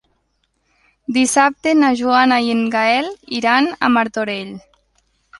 Dissabte na Joana i en Gaël iran a Martorell.